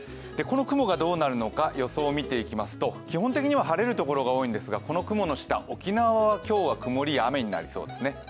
この雲がどうなるのか、予想を見ていきますと基本的には晴れるところが多いんですが、この雲の下沖縄は今日は曇りや雨になりそうですね。